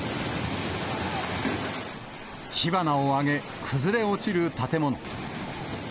火花を上げ、崩れ落ちる建物。